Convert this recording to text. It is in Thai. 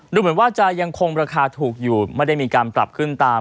ดูเหมือนว่าจะยังคงราคาถูกอยู่ไม่ได้มีการปรับขึ้นตาม